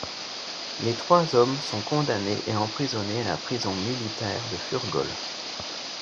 Les trois hommes sont condamnés et emprisonnés à la prison militaire de Furgole.